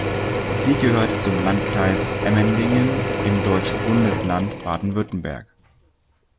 Sie gehört zum Landkreis Emmendingen im deutschen Bundesland Baden-Württemberg.